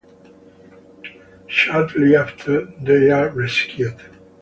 Shortly after, they are rescued.